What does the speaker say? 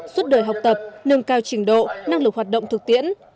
suốt đời học tập nâng cao trình độ năng lực hoạt động thực tiễn